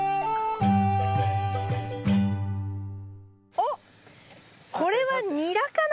おっこれはニラかな？